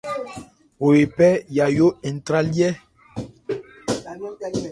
Wo ephɛ́ Yayó ntrályɛ́.